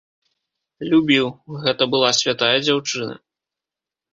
Любіў, гэта была святая дзяўчына.